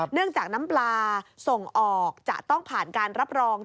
เนื่องจากน้ำปลาส่งออกจะต้องผ่านการรับรอง